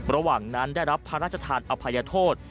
ระหว่างนั้นได้รับพระราชทานอภัยโทษ